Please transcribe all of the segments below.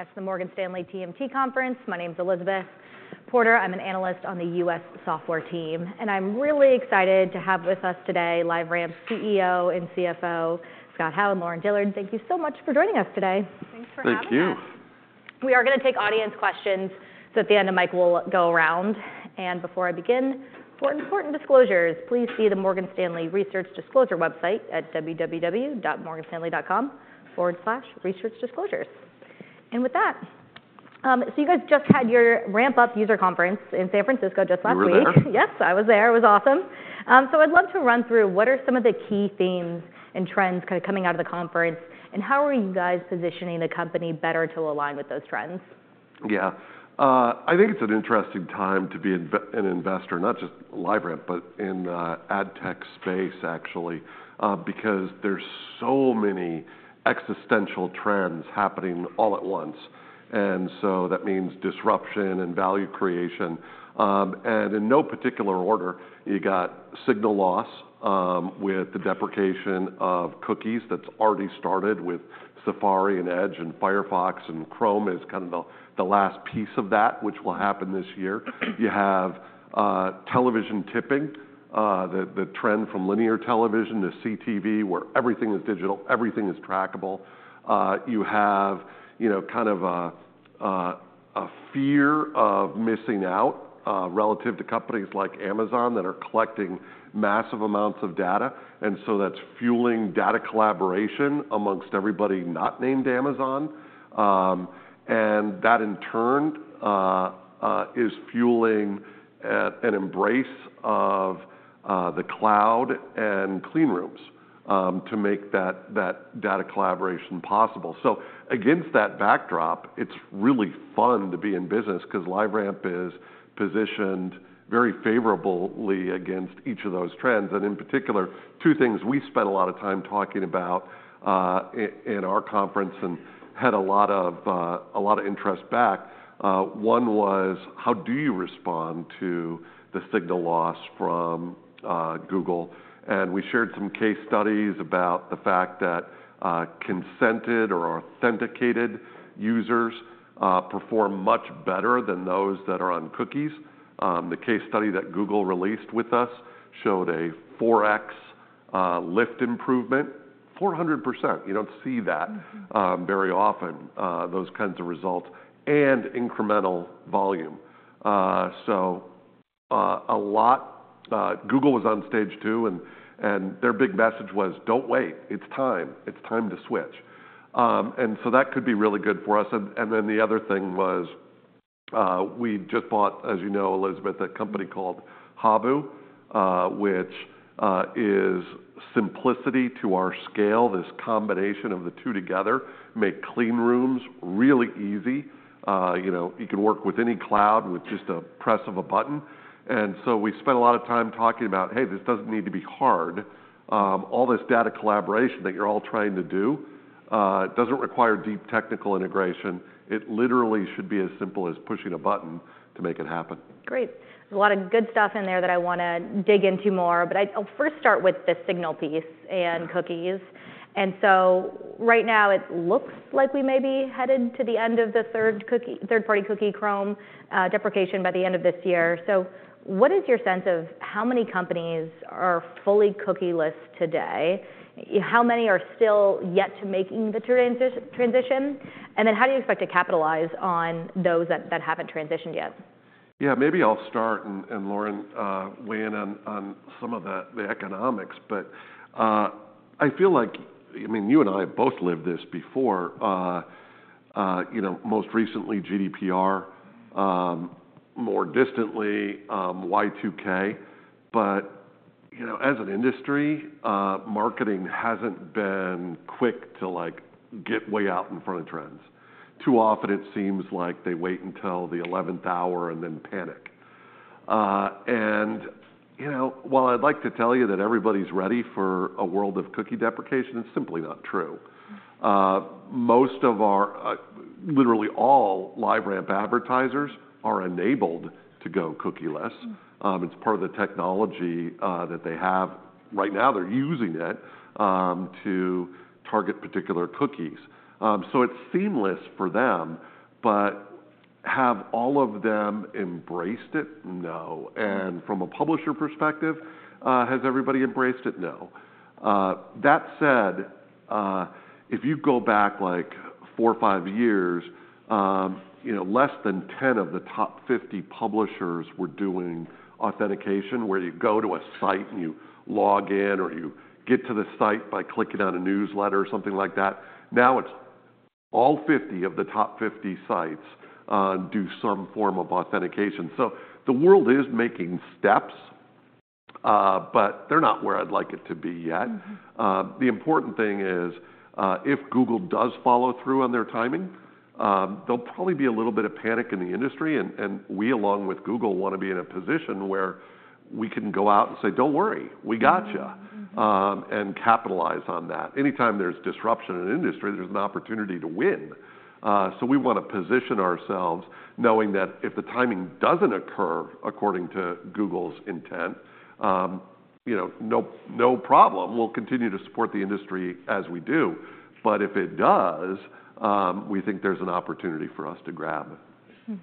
Joining us from the Morgan Stanley TMT Conference, my name's Elizabeth Porter. I'm an analyst on the U.S. Software team, and I'm really excited to have with us today LiveRamp's CEO and CFO, Scott Howe, and Lauren Dillard. Thank you so much for joining us today. Thanks for having us. Thank you. We are going to take audience questions, so at the end, a mic will go around. Before I begin, for important disclosures, please see the Morgan Stanley Research Disclosure website at www.morganstanley.com/researchdisclosures. With that, so you guys just had your RampUp user conference in San Francisco just last week. We were there. Yes, I was there. It was awesome. So I'd love to run through what are some of the key themes and trends kind of coming out of the conference, and how are you guys positioning the company better to align with those trends? Yeah, I think it's an interesting time to be an investor, not just LiveRamp, but in the ad tech space, actually, because there's so many existential trends happening all at once. And so that means disruption and value creation. And in no particular order, you got signal loss with the deprecation of cookies that's already started with Safari and Edge and Firefox, and Chrome is kind of the last piece of that, which will happen this year. You have television tipping, the trend from linear television to CTV, where everything is digital, everything is trackable. You have kind of a fear of missing out relative to companies like Amazon that are collecting massive amounts of data. And so that's fueling data collaboration amongst everybody not named Amazon. And that, in turn, is fueling an embrace of the cloud and clean rooms to make that data collaboration possible. So against that backdrop, it's really fun to be in business because LiveRamp is positioned very favorably against each of those trends. And in particular, two things we spent a lot of time talking about in our conference and had a lot of interest back. One was, how do you respond to the signal loss from Google? And we shared some case studies about the fact that consented or authenticated users perform much better than those that are on cookies. The case study that Google released with us showed a 4x lift improvement, 400%. You don't see that very often, those kinds of results, and incremental volume. So a lot. Google was on stage too, and their big message was, don't wait. It's time. It's time to switch. And so that could be really good for us. Then the other thing was, we just bought, as you know, Elizabeth, a company called Habu, which is simplicity to our scale. This combination of the two together makes clean rooms really easy. You can work with any cloud with just a press of a button. So we spent a lot of time talking about, hey, this doesn't need to be hard. All this data collaboration that you're all trying to do doesn't require deep technical integration. It literally should be as simple as pushing a button to make it happen. Great. There's a lot of good stuff in there that I want to dig into more, but I'll first start with the signal piece and cookies. And so right now, it looks like we may be headed to the end of the third-party cookie Chrome deprecation by the end of this year. So what is your sense of how many companies are fully cookieless today? How many are still yet to make the transition? And then how do you expect to capitalize on those that haven't transitioned yet? Yeah, maybe I'll start and Lauren weigh in on some of the economics. But I feel like, I mean, you and I have both lived this before. Most recently, GDPR. More distantly, Y2K. But as an industry, marketing hasn't been quick to get way out in front of trends. Too often, it seems like they wait until the 11th hour and then panic. And while I'd like to tell you that everybody's ready for a world of cookie deprecation, it's simply not true. Most of our, literally all, LiveRamp advertisers are enabled to go cookieless. It's part of the technology that they have. Right now, they're using it to target particular cookies. So it's seamless for them. But have all of them embraced it? No. And from a publisher perspective, has everybody embraced it? No. That said, if you go back like 4 or 5 years, less than 10 of the top 50 publishers were doing authentication, where you go to a site and you log in or you get to the site by clicking on a newsletter or something like that. Now it's all 50 of the top 50 sites do some form of authentication. So the world is making steps, but they're not where I'd like it to be yet. The important thing is, if Google does follow through on their timing, there'll probably be a little bit of panic in the industry. And we, along with Google, want to be in a position where we can go out and say, don't worry. We got you, and capitalize on that. Anytime there's disruption in an industry, there's an opportunity to win. We want to position ourselves knowing that if the timing doesn't occur according to Google's intent, no problem. We'll continue to support the industry as we do. But if it does, we think there's an opportunity for us to grab it.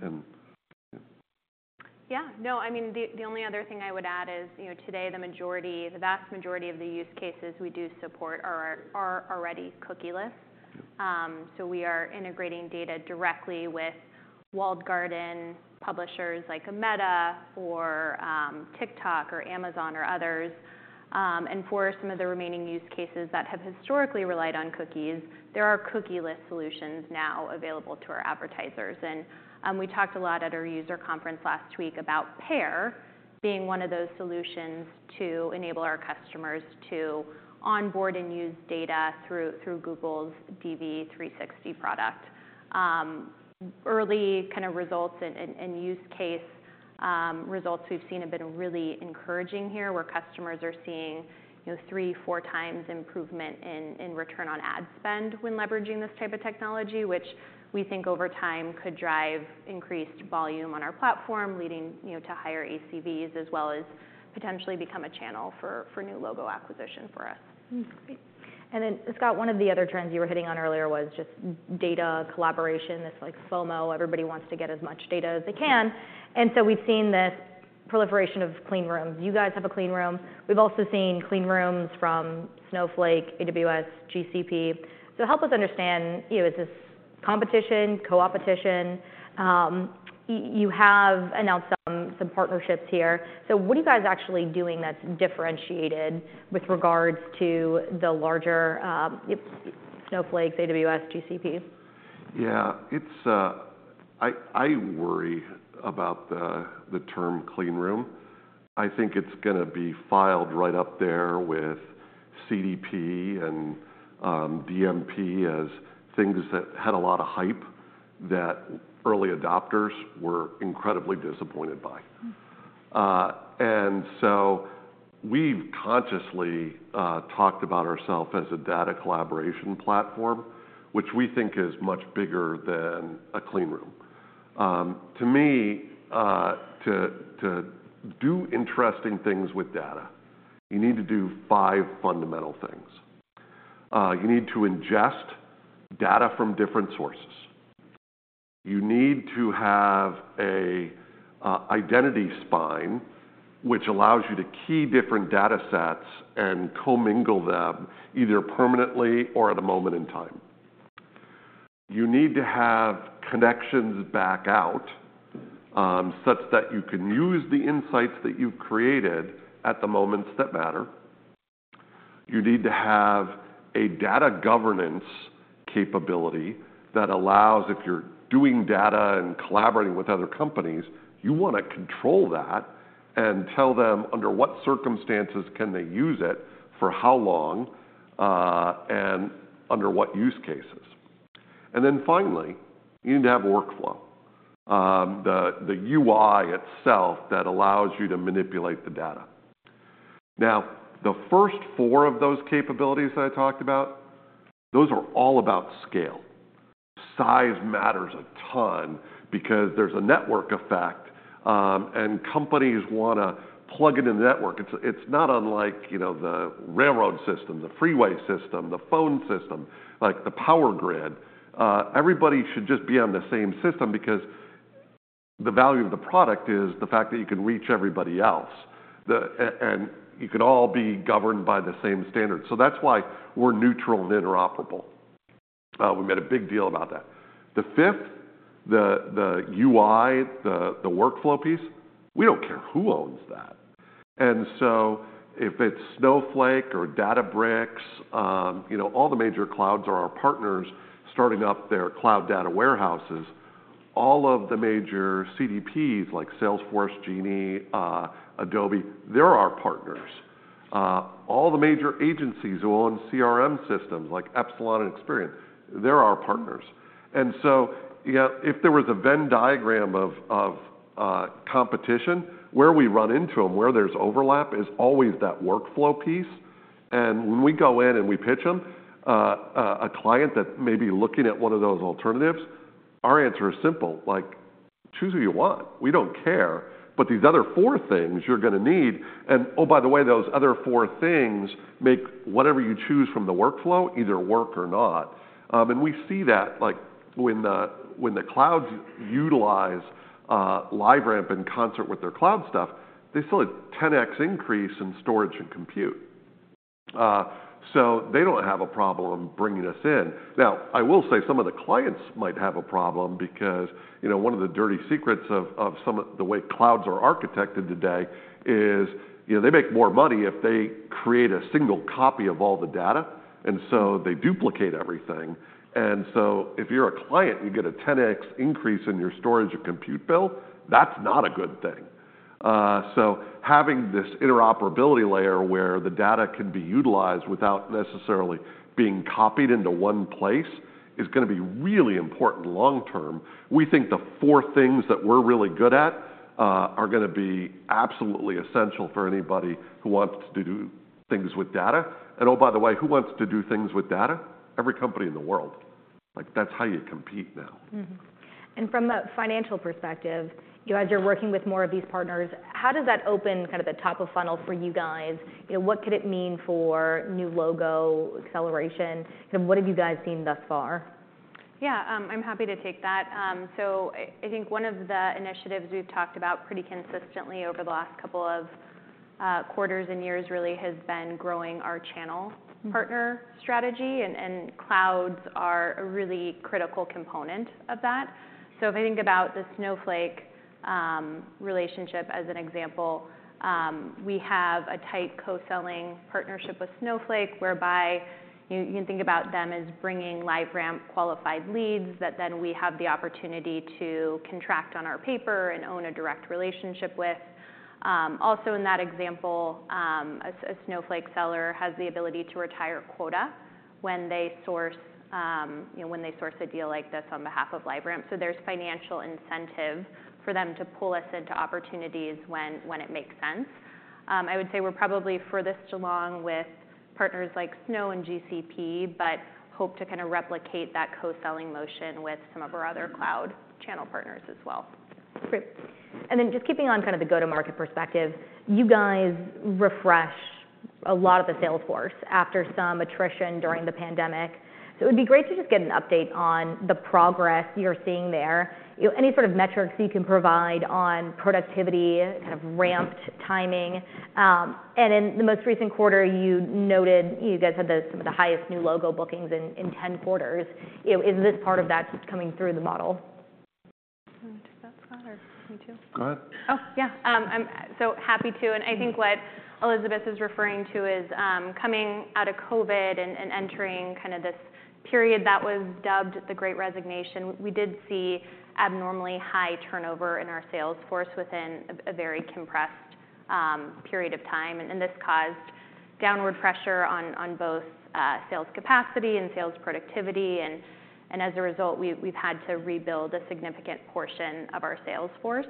Yeah, no, I mean, the only other thing I would add is, today, the vast majority of the use cases we do support are already cookieless. So we are integrating data directly with walled garden publishers like Meta, or TikTok, or Amazon, or others. And for some of the remaining use cases that have historically relied on cookies, there are cookieless solutions now available to our advertisers. And we talked a lot at our user conference last week about PAIR being one of those solutions to enable our customers to onboard and use data through Google's DV360 product. Early kind of results and use case results we've seen have been really encouraging here, where customers are seeing 3-4 times improvement in return on ad spend when leveraging this type of technology, which we think over time could drive increased volume on our platform, leading to higher ACVs, as well as potentially become a channel for new logo acquisition for us. Great. And then, Scott, one of the other trends you were hitting on earlier was just data collaboration, this FOMO. Everybody wants to get as much data as they can. And so we've seen this proliferation of clean rooms. You guys have a clean room. We've also seen clean rooms from Snowflake, AWS, GCP. So help us understand, is this competition, co-opetition? You have announced some partnerships here. So what are you guys actually doing that's differentiated with regards to the larger Snowflake, AWS, GCP? Yeah, I worry about the term clean room. I think it's going to be filed right up there with CDP and DMP as things that had a lot of hype that early adopters were incredibly disappointed by. And so we've consciously talked about ourselves as a data collaboration platform, which we think is much bigger than a clean room. To me, to do interesting things with data, you need to do five fundamental things. You need to ingest data from different sources. You need to have an identity spine, which allows you to key different data sets and commingle them either permanently or at a moment in time. You need to have connections back out such that you can use the insights that you've created at the moments that matter. You need to have a data governance capability that allows, if you're doing data and collaborating with other companies, you want to control that and tell them under what circumstances can they use it, for how long, and under what use cases. And then finally, you need to have a workflow, the UI itself that allows you to manipulate the data. Now, the first four of those capabilities that I talked about, those are all about scale. Size matters a ton because there's a network effect, and companies want to plug it in the network. It's not unlike the railroad system, the freeway system, the phone system, like the power grid. Everybody should just be on the same system because the value of the product is the fact that you can reach everybody else, and you can all be governed by the same standard. So that's why we're neutral and interoperable. We made a big deal about that. The fifth, the UI, the workflow piece, we don't care who owns that. And so if it's Snowflake or Databricks, all the major clouds are our partners starting up their cloud data warehouses. All of the major CDPs, like Salesforce Genie, Adobe, they're our partners. All the major agencies who own CRM systems, like Epsilon and Experian, they're our partners. And so if there was a Venn diagram of competition, where we run into them, where there's overlap, is always that workflow piece. And when we go in and we pitch them, a client that may be looking at one of those alternatives, our answer is simple. Choose who you want. We don't care. But these other four things you're going to need and, oh, by the way, those other four things make whatever you choose from the workflow either work or not. And we see that when the clouds utilize LiveRamp in concert with their cloud stuff, they still get a 10x increase in storage and compute. So they don't have a problem bringing us in. Now, I will say some of the clients might have a problem because one of the dirty secrets of the way clouds are architected today is they make more money if they create a single copy of all the data. And so they duplicate everything. And so if you're a client and you get a 10x increase in your storage and compute bill, that's not a good thing. So having this interoperability layer where the data can be utilized without necessarily being copied into one place is going to be really important long term. We think the four things that we're really good at are going to be absolutely essential for anybody who wants to do things with data. And oh, by the way, who wants to do things with data? Every company in the world. That's how you compete now. From a financial perspective, as you're working with more of these partners, how does that open kind of the top of funnel for you guys? What could it mean for new logo, acceleration? What have you guys seen thus far? Yeah, I'm happy to take that. So I think one of the initiatives we've talked about pretty consistently over the last couple of quarters and years really has been growing our channel partner strategy. And clouds are a really critical component of that. So if I think about the Snowflake relationship as an example, we have a tight co-selling partnership with Snowflake, whereby you can think about them as bringing LiveRamp qualified leads that then we have the opportunity to contract on our paper and own a direct relationship with. Also in that example, a Snowflake seller has the ability to retire quota when they source a deal like this on behalf of LiveRamp. So there's financial incentive for them to pull us into opportunities when it makes sense. I would say we're probably furthest along with partners like Snow and GCP, but hope to kind of replicate that co-selling motion with some of our other cloud channel partners as well. Great. And then just keeping on kind of the go-to-market perspective, you guys refresh a lot of the sales force after some attrition during the pandemic. It would be great to just get an update on the progress you're seeing there, any sort of metrics you can provide on productivity, kind of ramped timing. In the most recent quarter, you noted you guys had some of the highest new logo bookings in 10 quarters. Is this part of that coming through the model? Do you want to take that, Scott, or me too? Go ahead. Oh, yeah. So happy to. I think what Elizabeth is referring to is coming out of COVID and entering kind of this period that was dubbed the Great Resignation. We did see abnormally high turnover in our sales force within a very compressed period of time. This caused downward pressure on both sales capacity and sales productivity. As a result, we've had to rebuild a significant portion of our sales force.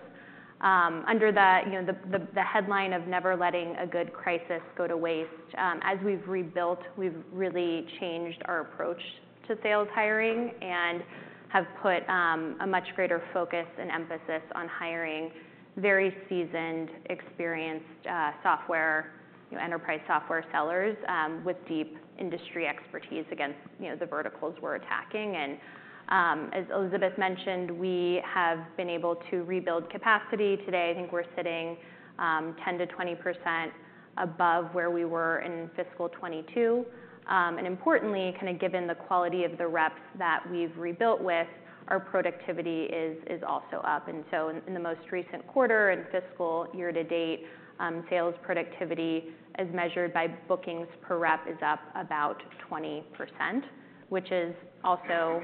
Under the headline of never letting a good crisis go to waste, as we've rebuilt, we've really changed our approach to sales hiring and have put a much greater focus and emphasis on hiring very seasoned, experienced enterprise software sellers with deep industry expertise against the verticals we're attacking. As Elizabeth mentioned, we have been able to rebuild capacity. Today, I think we're sitting 10%-20% above where we were in fiscal 2022. Importantly, kind of given the quality of the reps that we've rebuilt with, our productivity is also up. So in the most recent quarter and fiscal year to date, sales productivity, as measured by bookings per rep, is up about 20%, which is also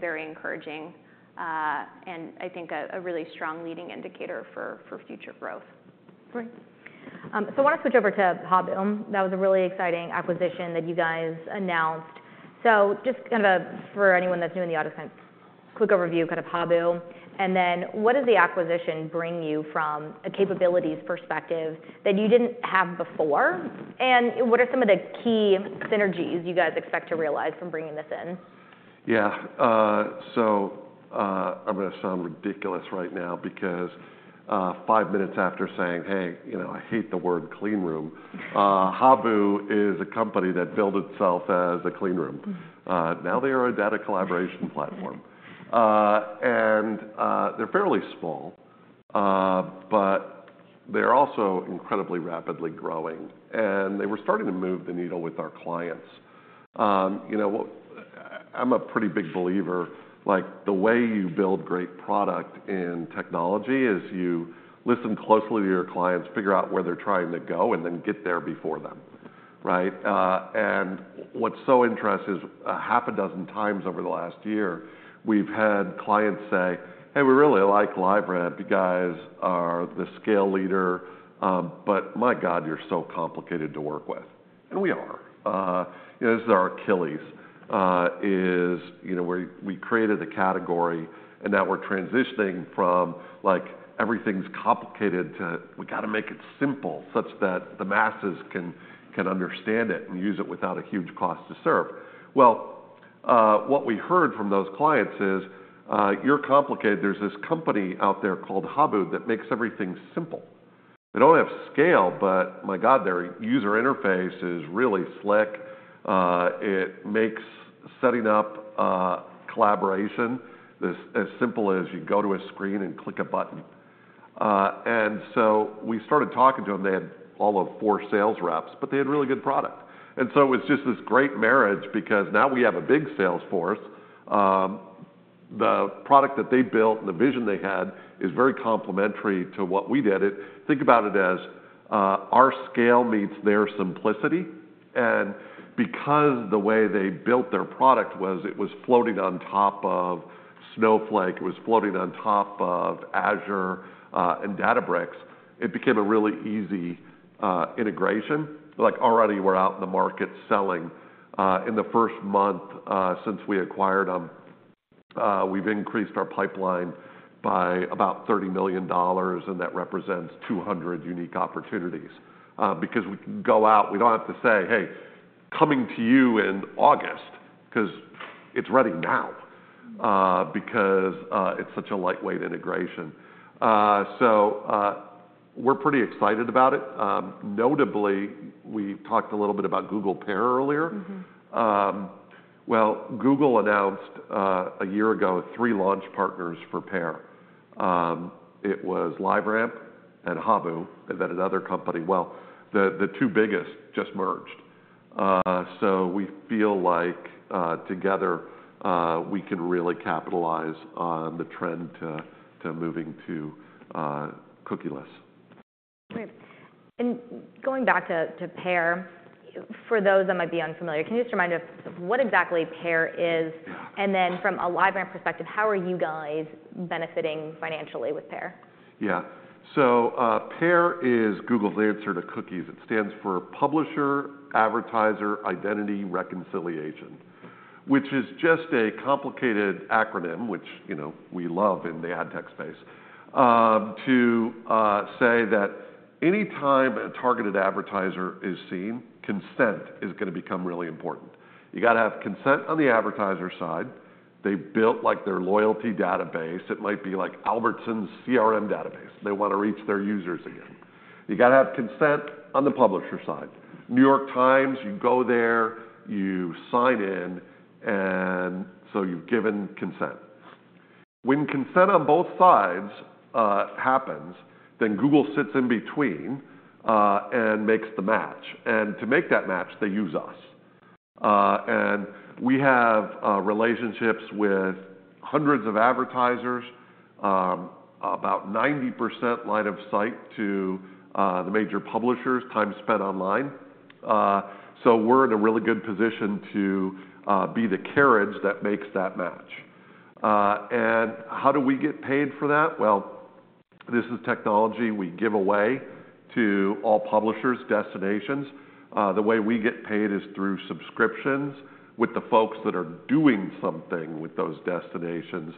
very encouraging and I think a really strong leading indicator for future growth. Great. I want to switch over to Habu. That was a really exciting acquisition that you guys announced. Just kind of for anyone that's new in the audience, kind of quick overview, kind of Habu. Then what does the acquisition bring you from a capabilities perspective that you didn't have before? And what are some of the key synergies you guys expect to realize from bringing this in? Yeah, so I'm going to sound ridiculous right now because five minutes after saying, "hey, I hate the word clean room," Habu is a company that built itself as a clean room. Now they are a data collaboration platform. And they're fairly small, but they're also incredibly rapidly growing. And they were starting to move the needle with our clients. I'm a pretty big believer. The way you build great product in technology is you listen closely to your clients, figure out where they're trying to go, and then get there before them. And what's so interesting is a half a dozen times over the last year, we've had clients say, "hey, we really like LiveRamp. You guys are the scale leader. But my god, you're so complicated to work with." And we are. This is our Achilles, is where we created the category. And now we're transitioning from everything's complicated to we got to make it simple such that the masses can understand it and use it without a huge cost to serve. Well, what we heard from those clients is you're complicated. There's this company out there called Habu that makes everything simple. They don't have scale, but my god, their user interface is really slick. It makes setting up collaboration as simple as you go to a screen and click a button. And so we started talking to them. They had all of four sales reps, but they had really good product. And so it was just this great marriage because now we have a big sales force. The product that they built and the vision they had is very complementary to what we did. Think about it as our scale meets their simplicity. And because the way they built their product was it was floating on top of Snowflake. It was floating on top of Azure and Databricks. It became a really easy integration. Already, we're out in the market selling. In the first month since we acquired them, we've increased our pipeline by about $30 million. And that represents 200 unique opportunities because we can go out. We don't have to say, hey, coming to you in August because it's ready now because it's such a lightweight integration. So we're pretty excited about it. Notably, we talked a little bit about Google PAIR earlier. Well, Google announced a year ago three launch partners for PAIR. It was LiveRamp and Habu. That other company. Well, the two biggest just merged. So we feel like together, we can really capitalize on the trend to moving to cookieless. Great. And going back to PAIR, for those that might be unfamiliar, can you just remind us of what exactly PAIR is? And then from a LiveRamp perspective, how are you guys benefiting financially with PAIR? Yeah, so PAIR is Google's answer to cookies. It stands for Publisher Advertiser Identity Reconciliation, which is just a complicated acronym, which we love in the ad tech space, to say that any time a targeted advertiser is seen, consent is going to become really important. You got to have consent on the advertiser side. They built like their loyalty database. It might be like Albertsons CRM database. They want to reach their users again. You got to have consent on the publisher side. New York Times, you go there, you sign in. And so you've given consent. When consent on both sides happens, then Google sits in between and makes the match. And to make that match, they use us. And we have relationships with hundreds of advertisers, about 90% line of sight to the major publishers, time spent online. So we're in a really good position to be the carriage that makes that match. And how do we get paid for that? Well, this is technology we give away to all publishers' destinations. The way we get paid is through subscriptions with the folks that are doing something with those destinations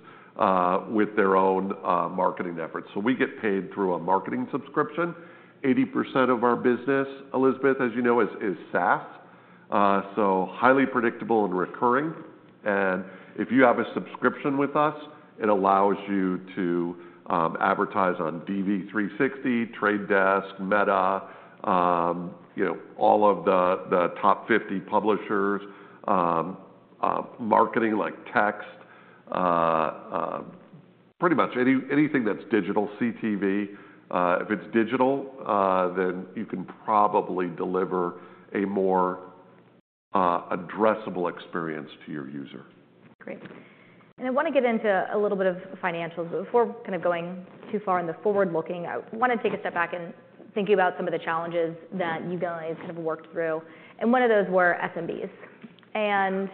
with their own marketing efforts. So we get paid through a marketing subscription. 80% of our business, Elizabeth, as you know, is SaaS, so highly predictable and recurring. And if you have a subscription with us, it allows you to advertise on DV360, Trade Desk, Meta, all of the top 50 publishers, marketing like text, pretty much anything that's digital, CTV. If it's digital, then you can probably deliver a more addressable experience to your user. Great. And I want to get into a little bit of financials. But before kind of going too far in the forward-looking, I want to take a step back and think about some of the challenges that you guys kind of worked through. And one of those were SMBs. And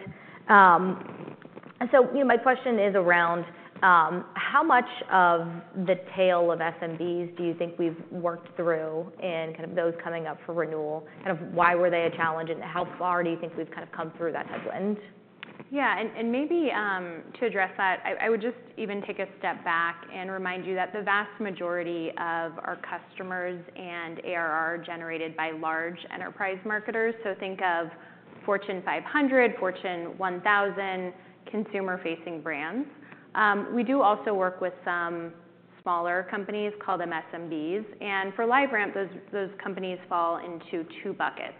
so my question is around how much of the tail of SMBs do you think we've worked through in kind of those coming up for renewal? Kind of why were they a challenge? And how far do you think we've kind of come through that headwind? Yeah, and maybe to address that, I would just even take a step back and remind you that the vast majority of our customers and ARR are generated by large enterprise marketers. So think of Fortune 500, Fortune 1000 consumer-facing brands. We do also work with some smaller companies called MSMBs. And for LiveRamp, those companies fall into two buckets.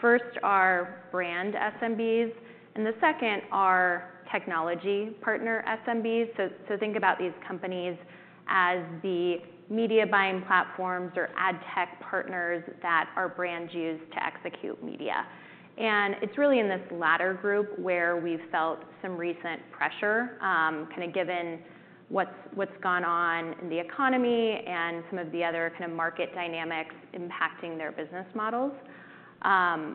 First are brand SMBs. And the second are technology partner SMBs. So think about these companies as the media buying platforms or ad tech partners that our brands use to execute media. And it's really in this latter group where we've felt some recent pressure, kind of given what's gone on in the economy and some of the other kind of market dynamics impacting their business models.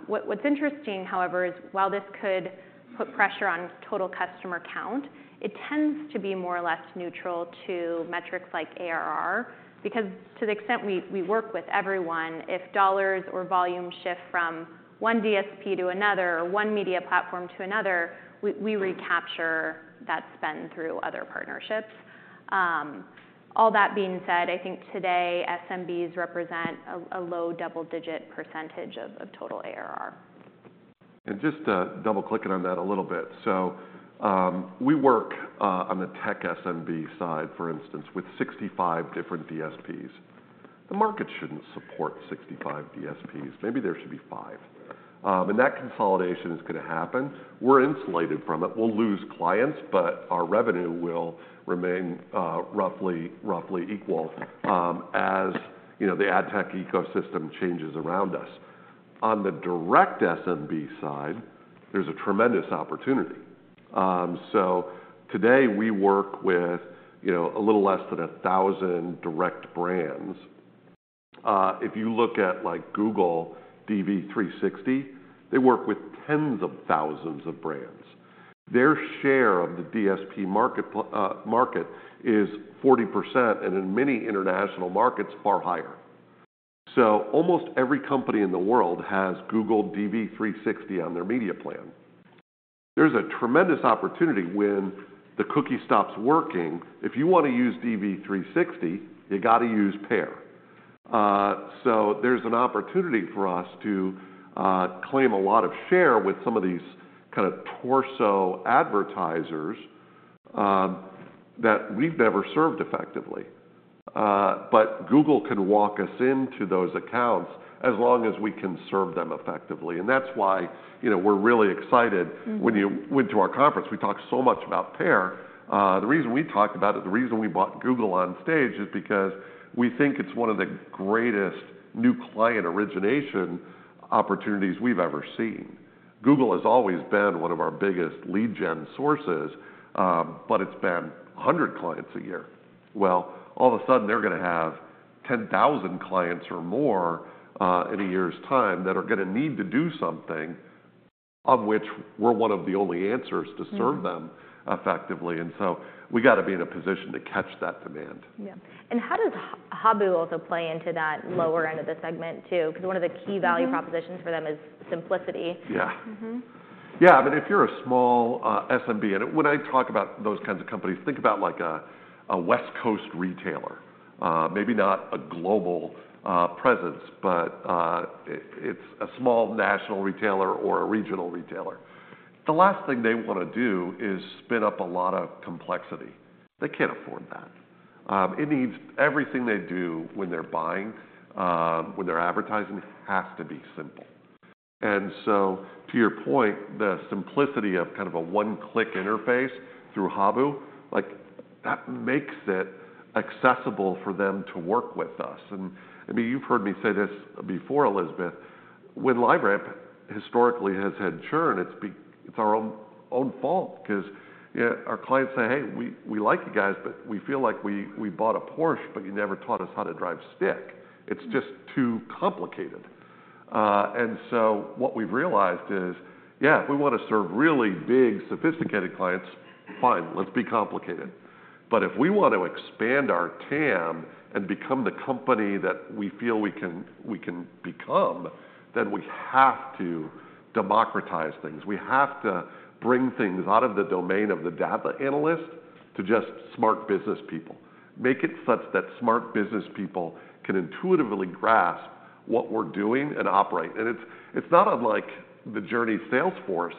What's interesting, however, is while this could put pressure on total customer count, it tends to be more or less neutral to metrics like ARR because to the extent we work with everyone, if dollars or volume shift from one DSP to another or one media platform to another, we recapture that spend through other partnerships. All that being said, I think today, SMBs represent a low double-digit percentage of total ARR. Just double-clicking on that a little bit. So we work on the tech SMB side, for instance, with 65 different DSPs. The market shouldn't support 65 DSPs. Maybe there should be 5. And that consolidation is going to happen. We're insulated from it. We'll lose clients, but our revenue will remain roughly equal as the ad tech ecosystem changes around us. On the direct SMB side, there's a tremendous opportunity. So today, we work with a little less than 1,000 direct brands. If you look at Google DV360, they work with tens of thousands of brands. Their share of the DSP market is 40% and in many international markets, far higher. So almost every company in the world has Google DV360 on their media plan. There's a tremendous opportunity when the cookie stops working. If you want to use DV360, you got to use PAIR. So there's an opportunity for us to claim a lot of share with some of these kind of torso advertisers that we've never served effectively. But Google can walk us into those accounts as long as we can serve them effectively. And that's why we're really excited. When you went to our conference, we talked so much about PAIR. The reason we talked about it, the reason we bought Google on stage, is because we think it's one of the greatest new client origination opportunities we've ever seen. Google has always been one of our biggest lead-gen sources, but it's been 100 clients a year. Well, all of a sudden, they're going to have 10,000 clients or more in a year's time that are going to need to do something of which we're one of the only answers to serve them effectively. We got to be in a position to catch that demand. Yeah, and how does Habu also play into that lower end of the segment too? Because one of the key value propositions for them is simplicity. Yeah, yeah, I mean, if you're a small SMB and when I talk about those kinds of companies, think about like a West Coast retailer, maybe not a global presence, but it's a small national retailer or a regional retailer. The last thing they want to do is spin up a lot of complexity. They can't afford that. It needs everything they do when they're buying, when they're advertising, has to be simple. And so to your point, the simplicity of kind of a one-click interface through Habu, that makes it accessible for them to work with us. And I mean, you've heard me say this before, Elizabeth. When LiveRamp historically has had churn, it's our own fault because our clients say, hey, we like you guys, but we feel like we bought a Porsche, but you never taught us how to drive stick. It's just too complicated. And so what we've realized is, yeah, if we want to serve really big, sophisticated clients, fine, let's be complicated. But if we want to expand our TAM and become the company that we feel we can become, then we have to democratize things. We have to bring things out of the domain of the data analyst to just smart business people, make it such that smart business people can intuitively grasp what we're doing and operate. And it's not unlike the journey Sales force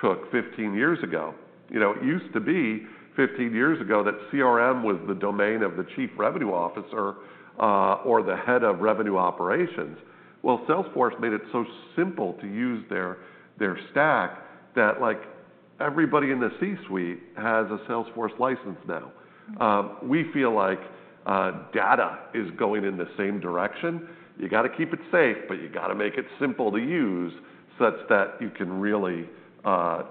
took 15 years ago. It used to be 15 years ago that CRM was the domain of the chief revenue officer or the head of revenue operations. Well, Sales force made it so simple to use their stack that everybody in the C-suite has a Sales force license now. We feel like data is going in the same direction. You got to keep it safe, but you got to make it simple to use such that you can really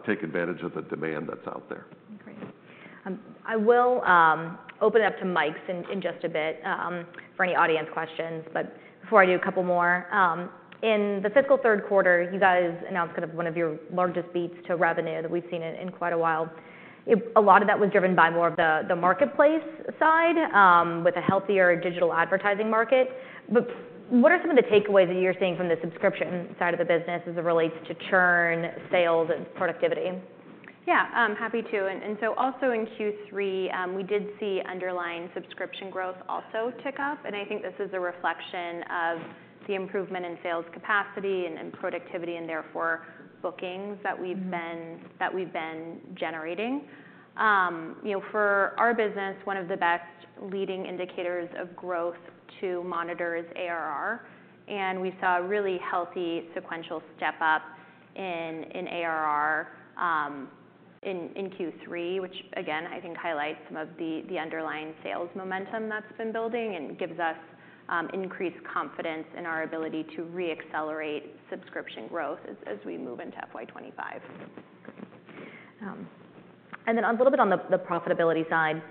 take advantage of the demand that's out there. Great. I will open it up to mics in just a bit for any audience questions. But before I do, a couple more. In the fiscal third quarter, you guys announced kind of one of your largest beats to revenue that we've seen in quite a while. A lot of that was driven by more of the marketplace side with a healthier digital advertising market. But what are some of the takeaways that you're seeing from the subscription side of the business as it relates to churn, sales, and productivity? Yeah, happy to. So also in Q3, we did see underlying subscription growth also tick up. I think this is a reflection of the improvement in sales capacity and productivity and therefore bookings that we've been generating. For our business, one of the best leading indicators of growth to monitor is ARR. We saw a really healthy sequential step up in ARR in Q3, which, again, I think highlights some of the underlying sales momentum that's been building and gives us increased confidence in our ability to re-accelerate subscription growth as we move into FY 2025. Great. And then a little bit on the profitability side,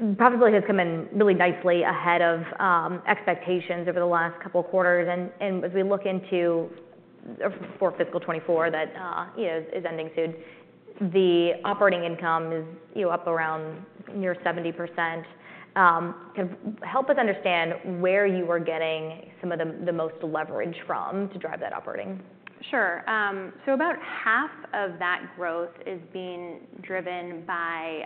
profitability has come in really nicely ahead of expectations over the last couple of quarters. And as we look into for fiscal 2024 that is ending soon, the operating income is up around near 70%. Kind of help us understand where you are getting some of the most leverage from to drive that operating. Sure. So about half of that growth is being driven by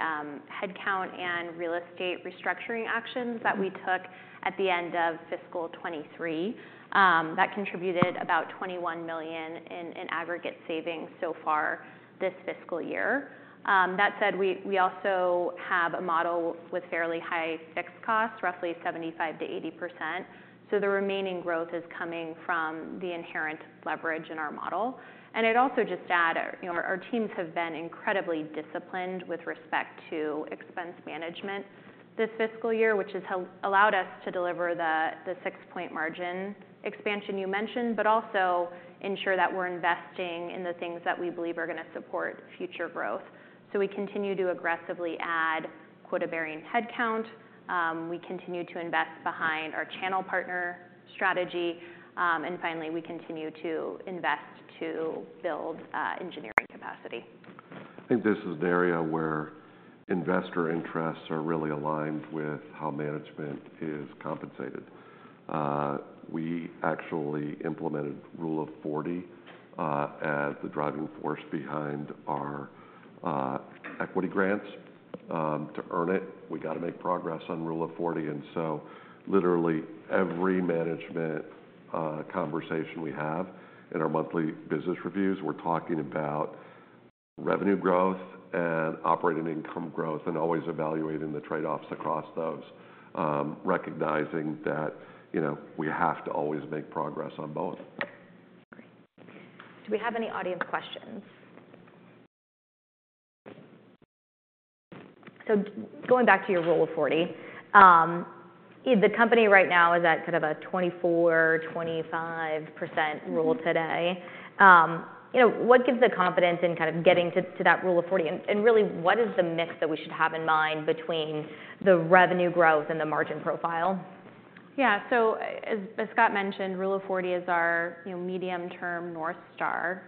headcount and real estate restructuring actions that we took at the end of fiscal 2023. That contributed about $21 million in aggregate savings so far this fiscal year. That said, we also have a model with fairly high fixed costs, roughly 75%-80%. So the remaining growth is coming from the inherent leverage in our model. And I'd also just add our teams have been incredibly disciplined with respect to expense management this fiscal year, which has allowed us to deliver the six-point margin expansion you mentioned, but also ensure that we're investing in the things that we believe are going to support future growth. So we continue to aggressively add quota-bearing headcount. We continue to invest behind our channel partner strategy. And finally, we continue to invest to build engineering capacity. I think this is an area where investor interests are really aligned with how management is compensated. We actually implemented Rule of 40 as the driving force behind our equity grants. To earn it, we got to make progress on Rule of 40. And so literally every management conversation we have in our monthly business reviews, we're talking about revenue growth and operating income growth and always evaluating the trade-offs across those, recognizing that we have to always make progress on both. Great. Do we have any audience questions? So going back to your Rule of 40, the company right now is at kind of a 24%, 25% rule today. What gives the confidence in kind of getting to that Rule of 40? And really, what is the mix that we should have in mind between the revenue growth and the margin profile? Yeah, so as Scott mentioned, Rule of 40 is our medium-term North Star,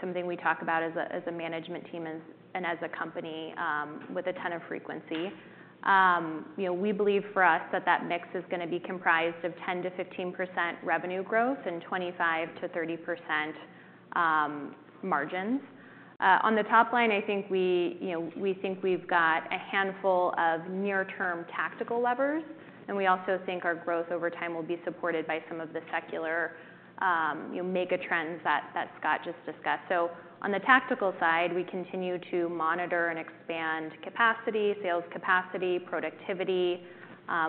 something we talk about as a management team and as a company with a ton of frequency. We believe for us that that mix is going to be comprised of 10%-15% revenue growth and 25%-30% margins. On the top line, I think we think we've got a handful of near-term tactical levers. We also think our growth over time will be supported by some of the secular mega trends that Scott just discussed. On the tactical side, we continue to monitor and expand capacity, sales capacity, productivity.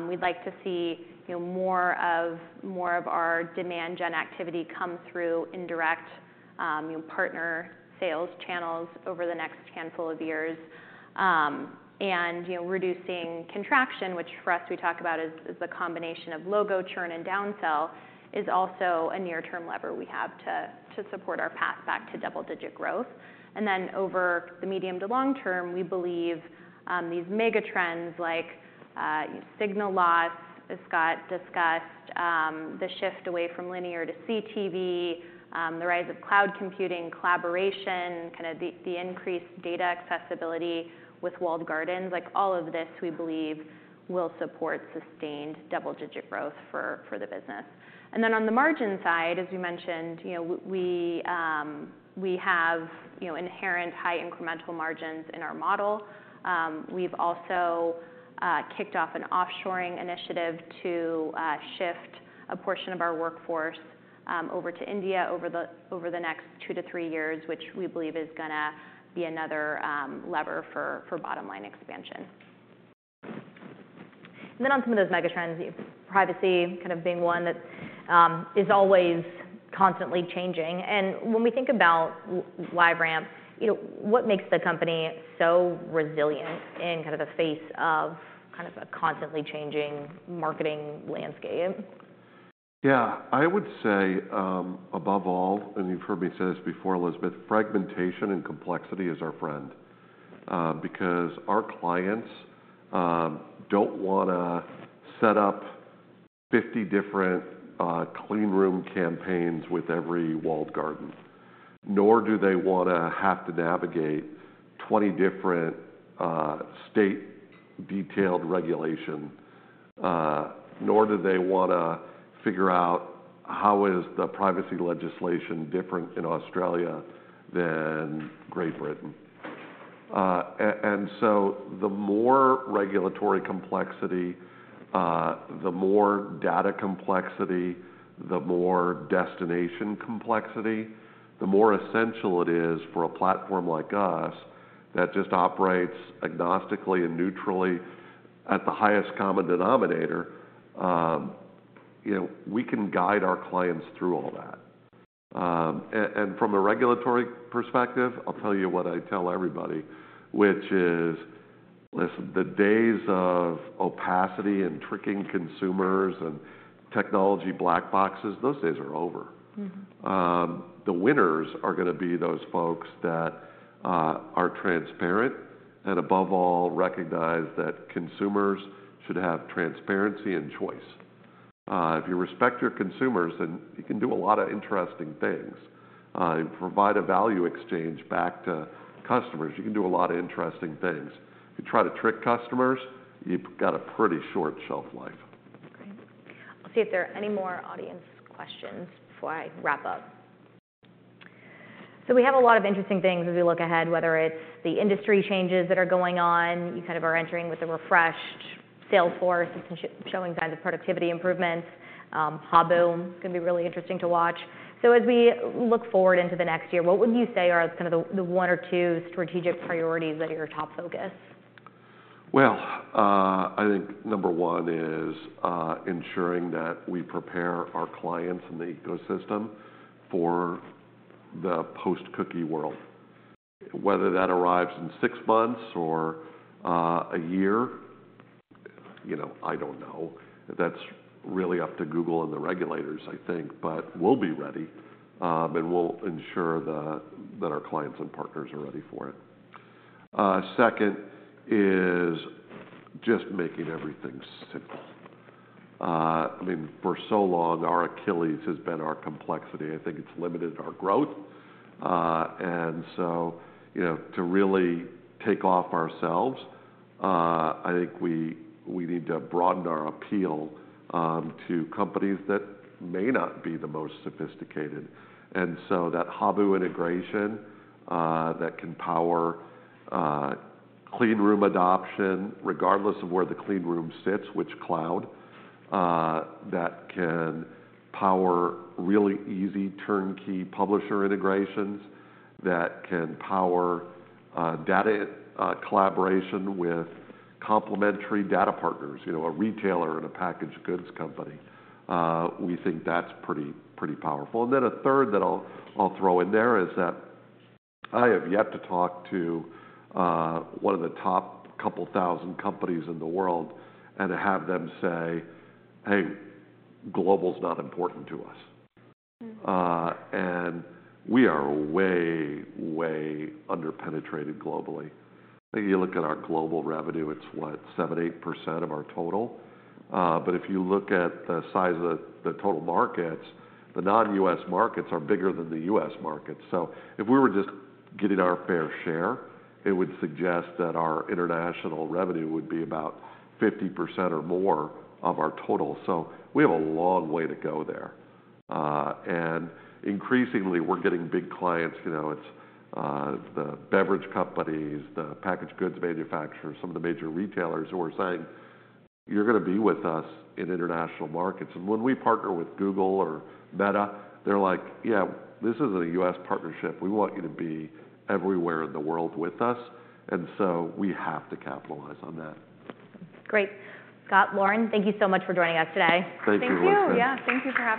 We'd like to see more of our demand-gen activity come through indirect partner sales channels over the next handful of years. Reducing contraction, which for us, we talk about as the combination of logo churn and downsell, is also a near-term lever we have to support our path back to double-digit growth. Over the medium to long term, we believe these mega trends like signal loss, as Scott discussed, the shift away from linear to CTV, the rise of cloud computing, collaboration, kind of the increased data accessibility with walled gardens, all of this, we believe, will support sustained double-digit growth for the business. On the margin side, as we mentioned, we have inherent high incremental margins in our model. We've also kicked off an offshoring initiative to shift a portion of our workforce over to India over the next 2-3 years, which we believe is going to be another lever for bottom-line expansion. Then on some of those mega trends, privacy kind of being one that is always constantly changing. When we think about LiveRamp, what makes the company so resilient in kind of the face of kind of a constantly changing marketing landscape? Yeah, I would say above all, and you've heard me say this before, Elizabeth, fragmentation and complexity is our friend because our clients don't want to set up 50 different clean room campaigns with every walled garden, nor do they want to have to navigate 20 different state-detailed regulations, nor do they want to figure out how is the privacy legislation different in Australia than Great Britain. And so the more regulatory complexity, the more data complexity, the more destination complexity, the more essential it is for a platform like us that just operates agnostically and neutrally at the highest common denominator, we can guide our clients through all that. And from a regulatory perspective, I'll tell you what I tell everybody, which is, listen, the days of opacity and tricking consumers and technology black boxes, those days are over. The winners are going to be those folks that are transparent and above all recognize that consumers should have transparency and choice. If you respect your consumers, then you can do a lot of interesting things. You provide a value exchange back to customers. You can do a lot of interesting things. If you try to trick customers, you've got a pretty short shelf life. Great. I'll see if there are any more audience questions before I wrap up. So we have a lot of interesting things as we look ahead, whether it's the industry changes that are going on. You kind of are entering with a refreshed sales force that's showing signs of productivity improvements. Habu is going to be really interesting to watch. So as we look forward into the next year, what would you say are kind of the one or two strategic priorities that are your top focus? Well, I think number one is ensuring that we prepare our clients and the ecosystem for the post-cookie world. Whether that arrives in six months or a year, I don't know. That's really up to Google and the regulators, I think, but we'll be ready. We'll ensure that our clients and partners are ready for it. Second is just making everything simple. I mean, for so long, our Achilles has been our complexity. I think it's limited our growth. So to really take off ourselves, I think we need to broaden our appeal to companies that may not be the most sophisticated. So that Habu integration that can power clean room adoption, regardless of where the clean room sits, which cloud, that can power really easy turnkey publisher integrations, that can power data collaboration with complementary data partners, a retailer and a packaged goods company. We think that's pretty powerful. And then a third that I'll throw in there is that I have yet to talk to one of the top couple thousand companies in the world and have them say, "Hey, global's not important to us." And we are way, way underpenetrated globally. I think you look at our global revenue, it's what, 7%, 8% of our total. But if you look at the size of the total markets, the non-U.S. markets are bigger than the U.S. markets. So if we were just getting our fair share, it would suggest that our international revenue would be about 50% or more of our total. So we have a long way to go there. And increasingly, we're getting big clients. It's the beverage companies, the packaged goods manufacturers, some of the major retailers who are saying, "You're going to be with us in international markets." And when we partner with Google or Meta, they're like, "Yeah, this isn't a U.S. partnership. We want you to be everywhere in the world with us. And so we have to capitalize on that. Great. Scott, Lauren, thank you so much for joining us today. Thank you. Thank you. Yeah, thank you for having us.